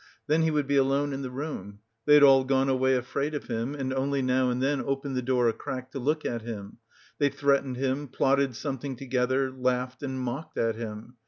Then he would be alone in the room; they had all gone away afraid of him, and only now and then opened the door a crack to look at him; they threatened him, plotted something together, laughed, and mocked at him.